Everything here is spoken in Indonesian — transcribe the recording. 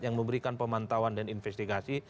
yang memberikan pemantauan dan investigasi